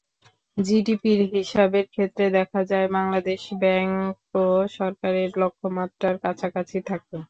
জিডিপির হিসাবের ক্ষেত্রে দেখা যায়, বাংলাদেশ ব্যাংকও সরকারের লক্ষ্যমাত্রার কাছাকাছি থাকে।